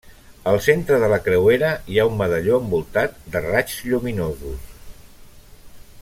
Al centre de la creuera hi ha un medalló envoltat de raigs lluminosos.